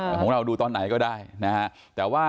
แต่ของเราดูตอนไหนก็ได้นะฮะ